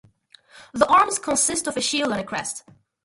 The arms consist of a shield and crest.